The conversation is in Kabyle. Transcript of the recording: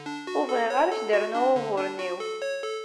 Ur bɣiɣ ara ad ak-d-rnuɣ uguren-iw.